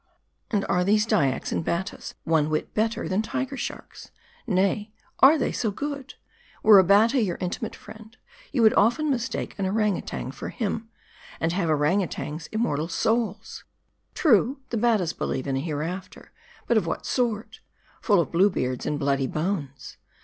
And are these Dyaks and Battas one whit better than tiger sharks ? Nay, are they so good ? Were a Batta your intimate friend, you would often mistake an orang outang for him ; and have orang outangs immortal souls ? True, the Battas believe in a hereafter ; but of what sort ? Full of Blue Beards and bloody bones.